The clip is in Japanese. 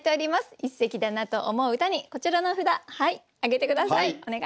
一席だなと思う歌にこちらの札挙げて下さい。